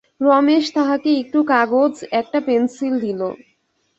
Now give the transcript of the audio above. রমেশ তাহাকে একটু কাগজ, একটা পেনসিল দিল।